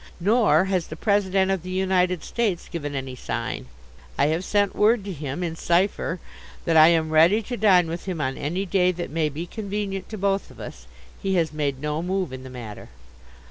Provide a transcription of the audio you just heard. Nor has the President of the United States given any sign. I have sent ward to him, in cipher, that I am ready to dine with him on any day that may be convenient to both of us. He has made no move in the matter.